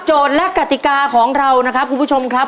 และกติกาของเรานะครับคุณผู้ชมครับ